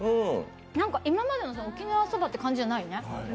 なんか今までの沖縄そばって感じじゃないね。